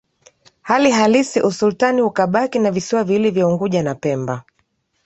Hali halisi usultani ukabaki na visiwa viwili vya Unguja na Pemba